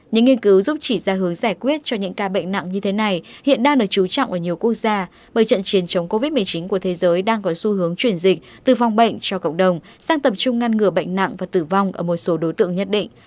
những nghiên cứu giúp chỉ ra hướng giải quyết cho những ca bệnh nặng như thế này hiện đang được chú trọng ở nhiều quốc gia bởi trận chiến chống covid một mươi chín của thế giới đang có xu hướng chuyển dịch từ phòng bệnh cho cộng đồng sang tập trung ngăn ngừa bệnh nặng và tử vong ở một số đối tượng nhất định